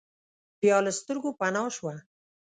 بیا له سترګو پناه شوه.